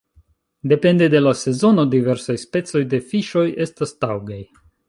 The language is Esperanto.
Depende de la sezono diversaj specoj de fiŝoj estas taŭgaj.